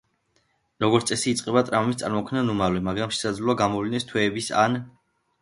როგორც წესი, იწყება ტრავმის წარმოქმნიდან უმალვე, მაგრამ შესაძლოა გამოვლინდეს თვეების ან წლების შემდეგ.